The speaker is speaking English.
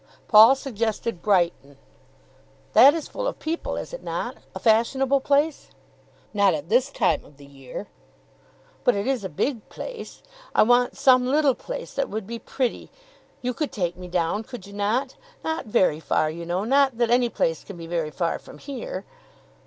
Paul suggested Brighton. "That is full of people; is it not? a fashionable place?" "Not at this time of the year." "But it is a big place. I want some little place that would be pretty. You could take me down; could you not? Not very far, you know; not that any place can be very far from here."